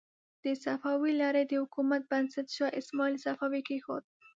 د صفوي لړۍ د حکومت بنسټ شاه اسماعیل صفوي کېښود.